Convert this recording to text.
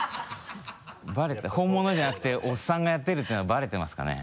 本物じゃなくておっさんがやってるっていうのはバレてますかね。